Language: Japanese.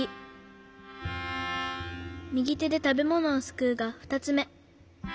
「みぎてでたべものをすくう」がふたつめ。